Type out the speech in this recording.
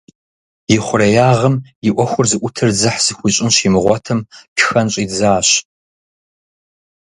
И хъуреягъым и ӏуэхур зыӏутыр дзыхь зыхуищӏын щимыгъуэтым, тхэн щӏидзащ.